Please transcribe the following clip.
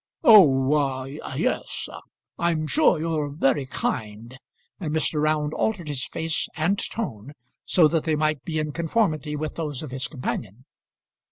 "Oh, ah, yes; I'm sure you're very kind;" and Mr. Round altered his face and tone, so that they might be in conformity with those of his companion.